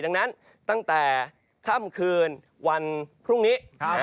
ดังนั้นตั้งแต่ค่ำคืนวันพรุ่งนี้